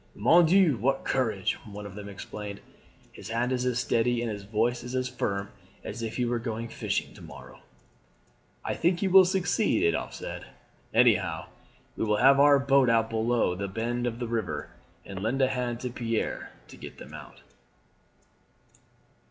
"Mon Dieu, what courage!" one of them exclaimed. "His hand is as steady, and his voice as firm as if he were going fishing to morrow." "I think he will succeed;" Adolphe said, "anyhow, we will have our boat out below the bend of the river, and lend a hand to Pierre to get them out."